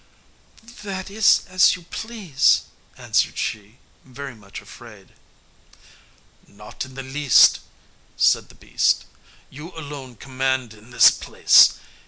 "That is as you please," answered she, very much afraid. "Not in the least," said the beast; "you alone command in this place.